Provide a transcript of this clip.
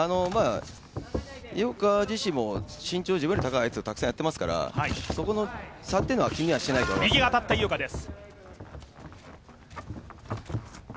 井岡自身も身長自分より高いやつとたくさんやってるので、そこの差というのは気にはしてないと思います。